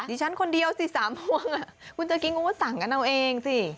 ฉันคนเดียวสิ๓พวงคุณจะกินคุณก็สั่งกันเอาเองสิ